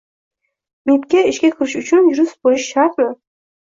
Mibga ishga kirish uchun yurist bo'lish shartmi?